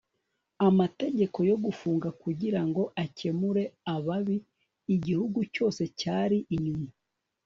amategeko yo gufunga kugira ngo akemure ababi. igihugu cyose cyari inyuma